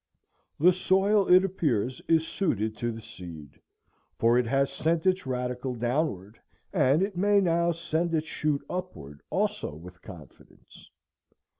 The soil, it appears, is suited to the seed, for it has sent its radicle downward, and it may now send its shoot upward also with confidence.